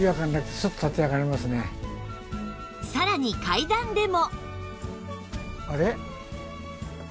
さらに階段でも